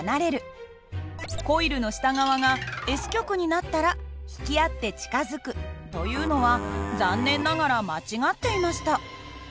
コイルの下側がＳ極になったら引き合って近づくというのは残念ながら間違っていました。